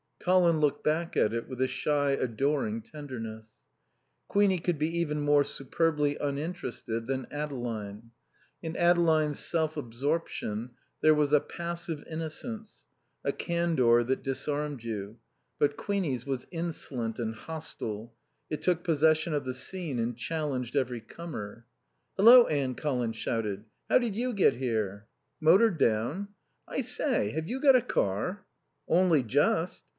Colin looked back at it with a shy, adoring tenderness. Queenie could be even more superbly uninterested than Adeline. In Adeline's self absorption there was a passive innocence, a candor that disarmed you, but Queenie's was insolent and hostile; it took possession of the scene and challenged every comer. "Hallo, Anne!" Colin shouted. "How did you get here?" "Motored down." "I say, have you got a car?" "Only just."